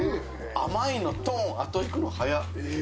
甘いのと、あと引くの早っ！